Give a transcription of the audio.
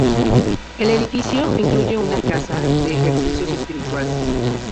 El edificio incluye una casa de ejercicios espirituales.